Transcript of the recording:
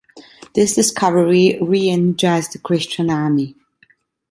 This discovery re-energized the Christian army.